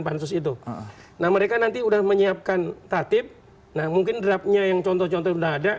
nah mereka nanti sudah menyiapkan tatip nah mungkin draftnya yang contoh contoh sudah ada